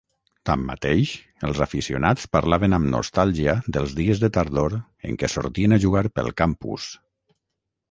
Tanmateix, els aficionats parlaven amb nostàlgia dels dies de tardor en què sortien a jugar pel campus.